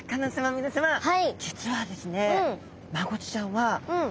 皆さま実はですね